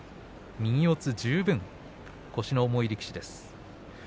右四つ十分、腰の重い力士です。